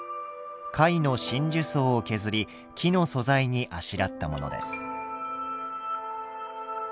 貝の真珠層を削り木の素材にあしらったものです。